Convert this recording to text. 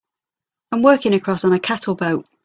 I'm working across on a cattle boat.